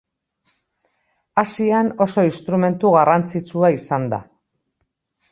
Asian oso instrumentu garrantzitsua izan da.